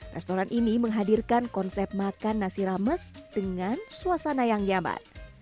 restoran ini menghadirkan konsep makan nasi rames dengan suasana yang nyaman